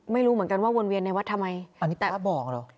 ไม่รู้เหมือนกันว่าวนเวียนในวัดทำไมอันนี้แตะก็บอกเหรอ